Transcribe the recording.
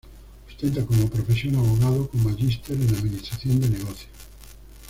Ostenta como profesión Abogado con magister en administración de negocios.